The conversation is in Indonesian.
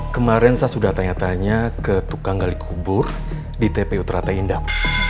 kemarin saya sudah tanya tanya ke tukang gali kubur di tpu teratai indah